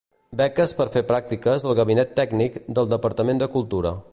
Beques per fer pràctiques al Gabinet Tècnic del Departament de Cultura.